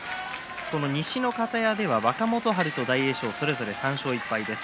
西の方屋では若元春と大栄翔はそれぞれ３勝１敗です。